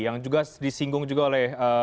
yang juga disinggung juga oleh